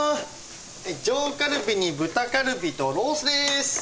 上カルビに豚カルビとロースです。